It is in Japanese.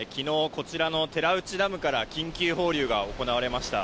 昨日こちらの寺内ダムから緊急放流が行われました。